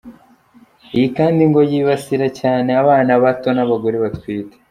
Iyi kandi ngo yibasira cyane abana bato n’abagore batwite.